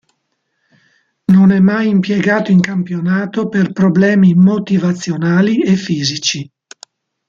Non è mai impiegato in campionato per problemi motivazionali e fisici.